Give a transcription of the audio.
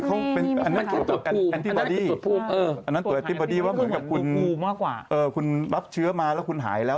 อันนั้นกรูปูมอันนั้นกรูปูมเหมือนกับคุณรับเชื้อมาแล้วคุณหายแล้ว